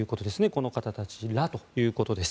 この方たちらということです。